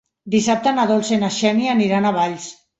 Dissabte na Dolça i na Xènia aniran a Valls.